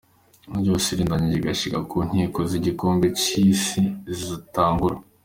Isi yose irindiranye igishika ko inkino z'igikombe c'isi zitangura .